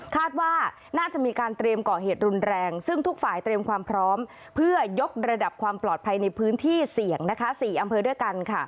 ว่าน่าจะมีการเตรียมก่อเหตุรุนแรงซึ่งทุกฝ่ายเตรียมความพร้อมเพื่อยกระดับความปลอดภัยในพื้นที่เสี่ยง๔อำเภอด้วยกัน